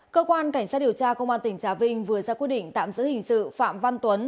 cơ quan cảnh sát điều tra công an tỉnh trà vinh vừa ra quyết định tạm giữ hình sự phạm văn tuấn